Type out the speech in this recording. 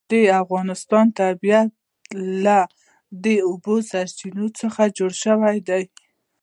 د افغانستان طبیعت له د اوبو سرچینې څخه جوړ شوی دی.